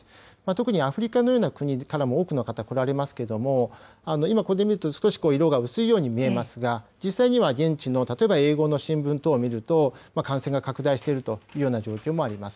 特にアフリカのような国からも多くの方来られますけれども、今、これで見ると、少し色が薄いように見えますが、実際には現地の例えば英語の新聞等を見ると、感染が拡大しているというような状況もあります。